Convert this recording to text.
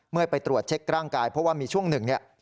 ไปตรวจเช็คร่างกายเพราะว่ามีช่วงหนึ่งเนี่ย